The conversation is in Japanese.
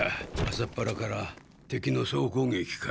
朝っぱらから敵の総攻撃か？